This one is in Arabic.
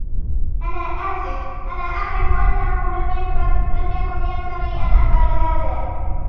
أنا آسف, أنا أعرف أنهُ لم يكن ينبغي أن أفعل هذا.